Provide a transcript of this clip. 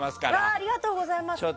ありがとうございます！